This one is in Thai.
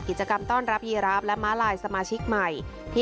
กิจกรรมต้อนรับยีราฟและม้าลายสมาชิกใหม่